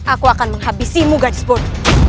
aku akan menghabisimu gadisbon